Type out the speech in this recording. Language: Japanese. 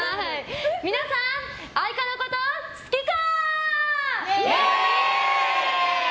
皆さん、愛花のこと好きか？